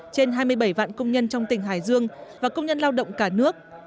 trên hai mươi bảy vạn công nhân trong tỉnh hải dương và công nhân lao động cả nước